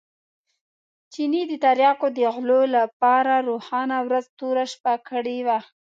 چیني د تریاکو د غلو لپاره روښانه ورځ توره شپه کړې وه.